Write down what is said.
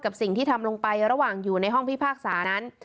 สิ่งที่ทำลงไประหว่างอยู่ในห้องพิพากษานั้น